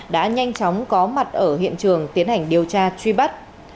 đã nhanh chóng có mặt ở hiện trường tiến hành điều tra truy bắt